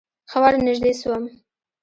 ښه ورنژدې سوم.